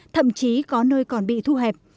thậm chí có nơi còn bị thu hẹp